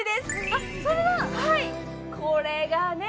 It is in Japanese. あっそれだはいこれがね